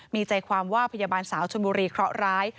มีใจความว่าพยาบาลสาวชนบุรีเคราะหร้าย